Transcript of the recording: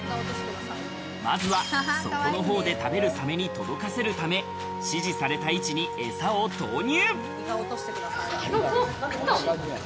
まずは、底の方で食べるサメに届かせるため、指示された位置に餌を投入。